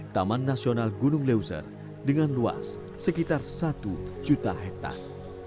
taman nasional gunung leuser dengan luas sekitar satu juta hektare